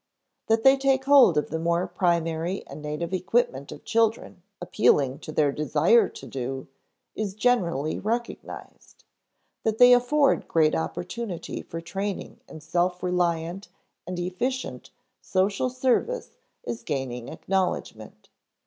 That they take hold of the more primary and native equipment of children (appealing to their desire to do) is generally recognized; that they afford great opportunity for training in self reliant and efficient social service is gaining acknowledgment.